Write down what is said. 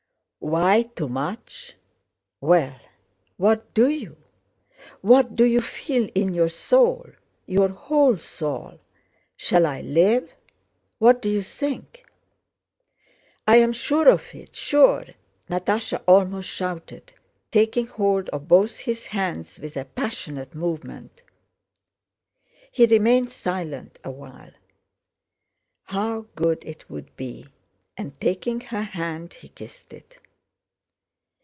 "Why too much?... Well, what do you, what do you feel in your soul, your whole soul—shall I live? What do you think?" "I am sure of it, sure!" Natásha almost shouted, taking hold of both his hands with a passionate movement. He remained silent awhile. "How good it would be!" and taking her hand he kissed it.